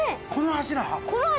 この柱？